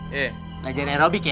belajar aerobik ya